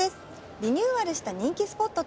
リニューアルした人気スポットとは？